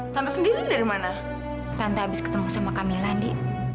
tante habis ketemu sama kamila di